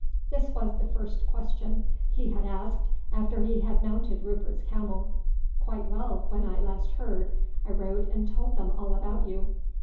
This was the first question he had asked after he had mounted Rupert's camel. "Quite well when I last heard. I wrote and told them all about you."